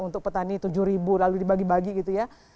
untuk petani tujuh ribu lalu dibagi bagi gitu ya